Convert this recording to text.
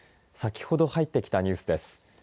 先ほど入ってきたニュースです。